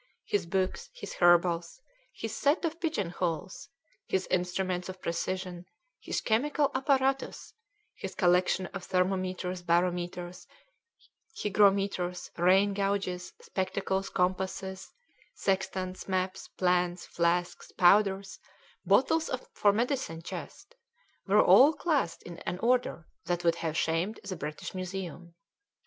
His books, his herbals, his set of pigeon holes, his instruments of precision, his chemical apparatus, his collection of thermometers, barometers, hygrometers, rain gauges, spectacles, compasses, sextants, maps, plans, flasks, powders, bottles for medicine chest, were all classed in an order that would have shamed the British Museum.